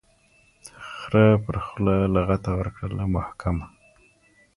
خره پرخوله لغته ورکړله محکمه